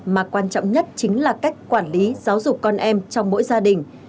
mà quan trọng nhất chính là cách quản lý giáo dục con em trong mỗi gia đình